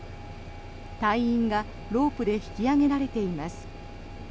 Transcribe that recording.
隊員がロープで引き上げられています。